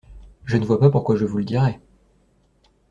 Je ne vois pas pourquoi je vous le dirais.